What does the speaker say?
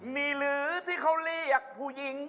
มีหรือที่เขาเรียกผู้หญิง